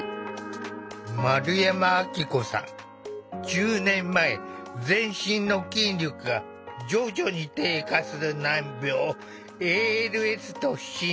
１０年前全身の筋力が徐々に低下する難病ＡＬＳと診断された。